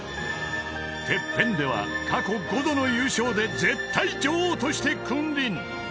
［ＴＥＰＰＥＮでは過去５度の優勝で絶対女王として君臨］